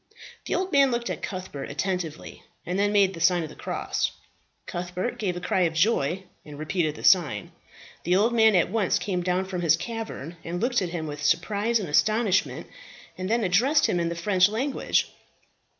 The old man looked at Cuthbert attentively, and then made the sign of the cross. Cuthbert gave a cry of joy, and repeated the sign. The old man at once came down from his cavern, and looked at him with surprise and astonishment, and then addressed him in the French language.